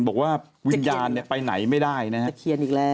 บอกว่าวิญญาณไปไหนไม่ได้นะครับ